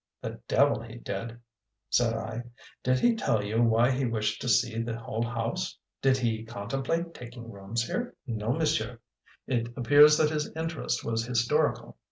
"The devil he did!" said I. "Did he tell you why he wished to see the whole house? Did he contemplate taking rooms here?" "No, monsieur, it appears that his interest was historical.